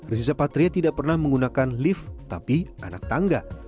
riza patria tidak pernah menggunakan lift tapi anak tangga